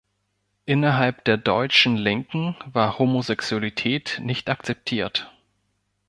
Innerhalb der deutschen Linken war Homosexualität nicht akzeptiert.